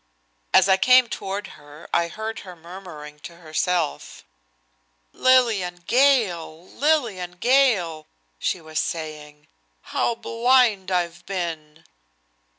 As I came toward her I heard her murmuring to herself: "Lillian Gale! Lillian Gale!" she was saying. "How blind I've been."